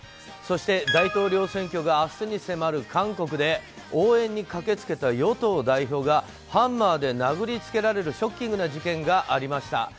そして大統領選挙が明日に迫る韓国で応援に駆け付けた与党代表がハンマーで殴りつけられるショッキングな事件がありました。